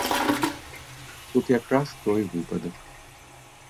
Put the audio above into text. Тут якраз той выпадак.